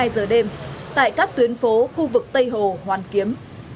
hai mươi hai giờ đêm tại các tuyến phố khu vực tây hồ hoàn kiếm